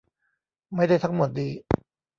ไม่ได้ทั้งหมดนี้